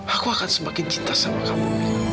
aku akan semakin cinta sama kamu